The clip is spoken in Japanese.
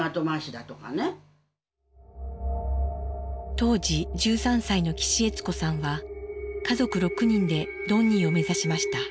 当時１３歳の岸悦子さんは家族６人でドンニーを目指しました。